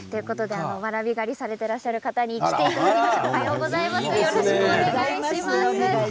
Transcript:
わらび狩りをされている方に来ていただきました。